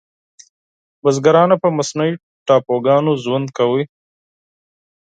بزګرانو په مصنوعي ټاپوګانو ژوند کاوه.